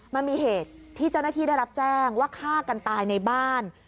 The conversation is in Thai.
มันมีเหตุที่เจ้าหน้าที่ได้รับแจ้งว่าฆ่ากันตายในบ้าน